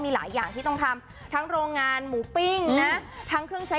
ไม่มีทางหรอกค่ะ